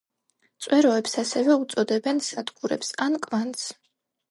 წვეროებს ასევე უწოდებენ სადგურებს ან კვანძს.